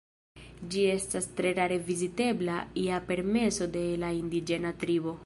Ĝi estas tre rare vizitebla je permeso de la indiĝena tribo.